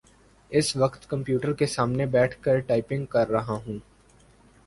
اس وقت کمپیوٹر کے سامنے بیٹھ کر ٹائپنگ کر رہا ہوں۔